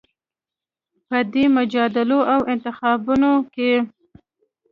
په دې مجادلو او انتخابونو کې